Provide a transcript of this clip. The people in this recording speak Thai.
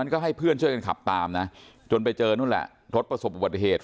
ก็ให้เพื่อนช่วยกันขับตามนะจนไปเจอนู่นแหละรถประสบอุบัติเหตุ